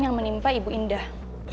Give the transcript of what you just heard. yang menimpa ibu indah